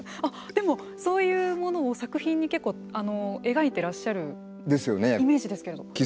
でもそういうものを作品に結構描いてらっしゃるイメージですけれど。ですよね。